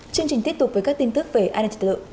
chương trình tiếp tục với các tin tức về an nghệ tự